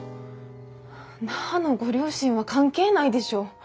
那覇のご両親は関係ないでしょ。